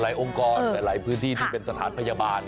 องค์กรหลายพื้นที่ที่เป็นสถานพยาบาล